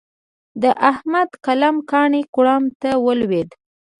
د احمد قلم کاڼی کوړم ته ولوېد.